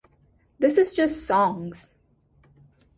This is just songs.